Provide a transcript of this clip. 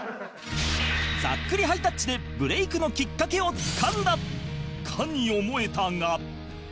『ざっくりハイタッチ』でブレイクのきっかけをつかんだかに思えたが